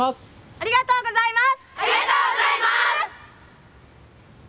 ありがとうございます。